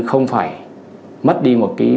không phải mất đi một cái